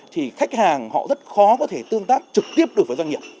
thì khách hàng họ rất khó có thể tương tác trực tiếp được với doanh nghiệp